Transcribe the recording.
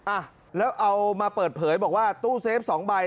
อ่ะแล้วเอามาเปิดเผยบอกว่าตู้เซฟสองใบ